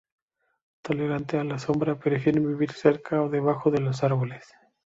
Tolerante a la sombra, prefieren vivir cerca o debajo de los árboles.